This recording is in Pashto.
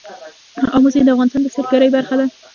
آمو سیند د افغانستان د سیلګرۍ برخه ده.